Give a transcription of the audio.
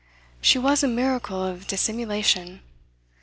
She was a miracle of dissimulation.